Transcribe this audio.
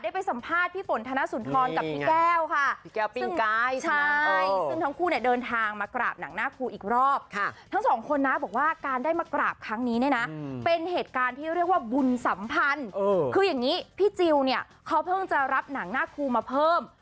เพิ่งจะรับหนังหน้าครูมาเพิ่ม